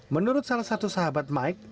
menurut salah satu sahabat mike